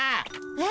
え？